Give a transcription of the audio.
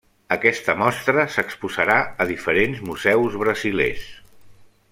Aquesta mostra s'exposarà a diferents museus brasilers.